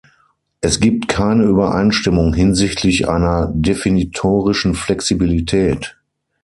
Es gibt keine Übereinstimmung hinsichtlich einer definitorischen Flexibilität.